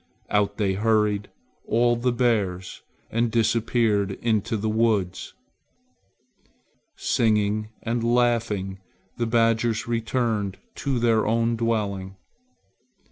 Out they hurried, all the bears, and disappeared into the woods. Singing and laughing, the badgers returned to their own dwelling.